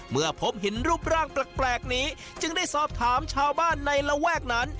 เมื่อพบหินรูปร่างแปลกนี้จึงได้สอบถามชาวบ้านในระแวกนั้น